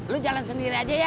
lu jalan sendiri aja ya